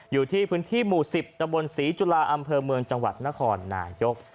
อยู่ที่พื้นที่หมู่๑๐ตะบนศรีจุฬาอำเภอเมืองจังหวัดนครนายก